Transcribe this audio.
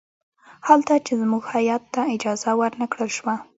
حال دا چې زموږ هیات ته اجازه ور نه کړل شوه.